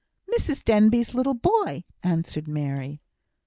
"Mrs Denbigh's little boy," answered Mary.